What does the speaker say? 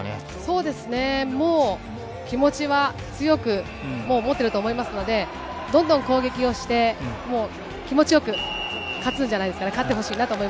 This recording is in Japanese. もう気持ちは強くもう持っていると思いますので、どんどん攻撃をして、気持ちよく勝つんじゃないですかね、勝ってほしいなと思い